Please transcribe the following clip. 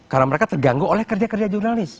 karena mereka terganggu oleh kerja kerja jurnalis